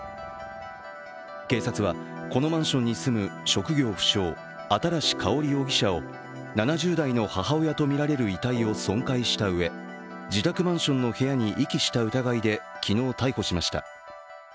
警察はこのマンションに住む職業不詳・新かほり容疑者を７０代の母親とみられる遺体を損壊したうえ、自宅マンションの部屋に遺棄した疑いで昨日逮捕しました。